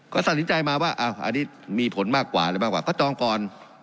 ก็ตัดสินใจมาว่าอันนี้มีผลมากกว่าอะไรมากกว่าก็จองก่อน